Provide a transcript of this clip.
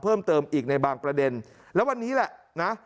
เพิ่มเติมอีกในบางประเด็นแล้ววันนี้แหละนะ